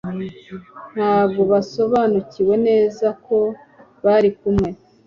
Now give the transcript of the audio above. Ntabwo basobanukiwe neza ko bari kumwe